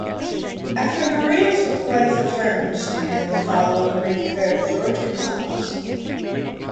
After Narea's wife returned to him following a brief affair with Jorge Gonzalez.